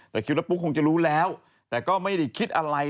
แต่คิดว่าปุ๊กคงจะรู้แล้วแต่ก็ไม่ได้คิดอะไร